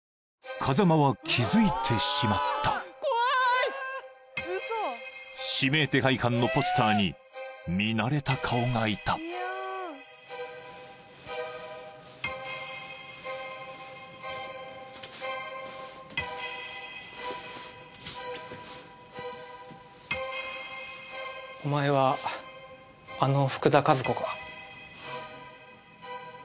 風間は気づいてしまった指名手配犯のポスターに見慣れた顔がいたお前はあの福田和子か？